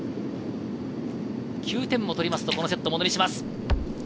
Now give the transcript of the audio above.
９点を取りますと、このセットをものにします。